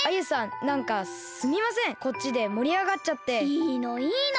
いいのいいの。